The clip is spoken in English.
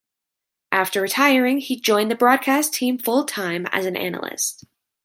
After retiring, he joined the broadcast team full-time as an analyst.